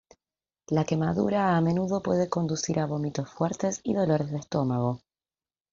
La quemadura a menudo puede conducir a vómitos y fuertes dolores de estómago.